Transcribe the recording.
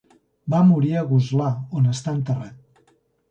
Va morir a Goslar, on està enterrat.